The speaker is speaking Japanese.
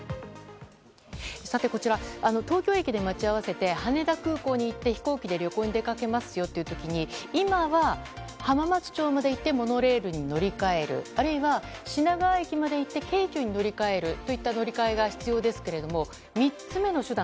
こちら、東京駅で待ち合わせて羽田空港に行って、飛行機で旅行に出かけますよという時に今は、浜松町まで行ってモノレールに乗り換えるあるいは、品川駅まで行って京急に乗り換えるといった乗り換えが必要ですが３つ目の手段